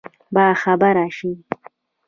باخبره شي.